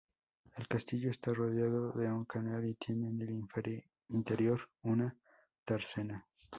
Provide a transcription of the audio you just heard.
El castillo está rodeado de un canal y tiene en el interior una dársena.